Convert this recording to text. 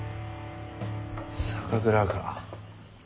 酒蔵か。